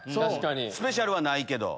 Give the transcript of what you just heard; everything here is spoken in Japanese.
スペシャルメニューはないけど。